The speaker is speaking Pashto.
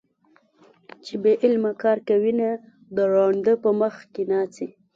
چې بې علمه کار کوينه - د ړانده په مخ کې ناڅي